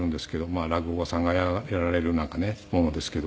まあ落語家さんがやられるなんかねものですけど。